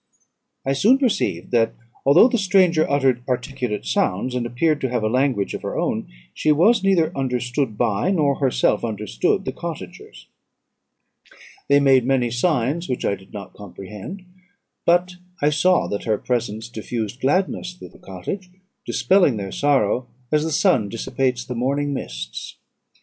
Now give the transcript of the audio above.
"I soon perceived, that although the stranger uttered articulate sounds, and appeared to have a language of her own, she was neither understood by, nor herself understood, the cottagers. They made many signs which I did not comprehend; but I saw that her presence diffused gladness through the cottage, dispelling their sorrow as the sun dissipates the morning mists.